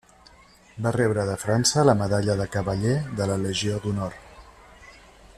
Va rebre de França la medalla de Cavaller de la Legió d'Honor.